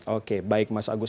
oke baik mas agus